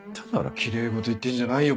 きれい事言ってんじゃないよ